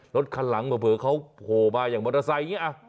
รถคันหลังเผลอเขาโผล่มาอย่างมอเตอร์ไซค์อย่างนี้